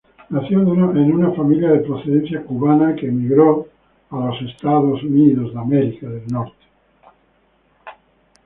Nació en una familia de procedencia cubana que emigró a Estados Unidos.